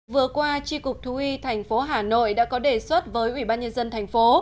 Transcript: vừa qua tri cục thú y thành phố hà nội đã có đề xuất với ủy ban nhân dân thành phố